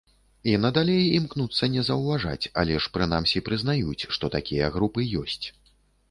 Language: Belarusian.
І надалей імкнуцца не заўважаць, але ж прынамсі прызнаюць, што такія групы ёсць.